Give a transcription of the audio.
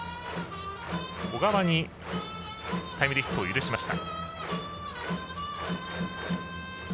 小川にタイムリーヒットを許しました。